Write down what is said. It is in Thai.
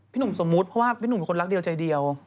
หนุ่มสมมุติเพราะว่าพี่หนุ่มเป็นคนรักเดียวใจเดียว